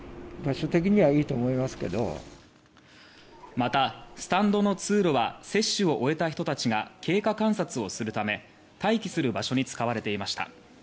また、スタンドの通路は接種を終えた人たちが経過観察をするため待機する場所に使われていました。